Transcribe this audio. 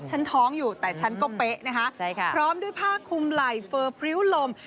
ฉันท้องอยู่แต่ฉันก็เป๊ะนะคะพร้อมด้วยผ้าคุมไหล่เฟอร์พริ้วลม